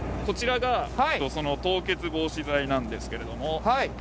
こちらがその凍結防止剤なんですけれども。